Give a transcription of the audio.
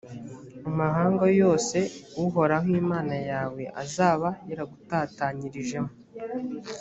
amahanga yose uhoraho imana yawe azaba yaragutatanyirijemo.